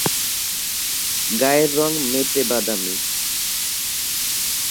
গায়ের রং মেটে-বাদামি।